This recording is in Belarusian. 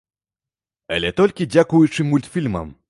Але толькі дзякуючы мультфільмам.